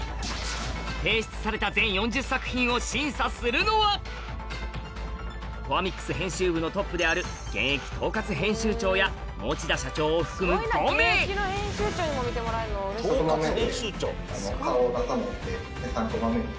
提出されたを審査するのはコアミックス編集部のトップである現役統括編集長や持田社長を含む５名だなと思いました。